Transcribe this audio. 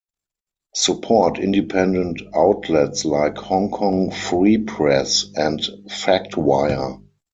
Support independent outlets like "Hong Kong Free Press" and FactWire.